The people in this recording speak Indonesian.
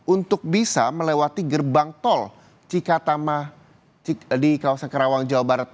untuk bisa melewati gerbang tol cikatama di kawasan kerawang jawa barat